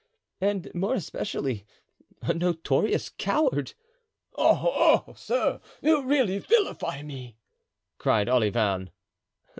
"And, more especially, a notorious coward." "Oh, oh! sir! you really vilify me!" cried Olivain.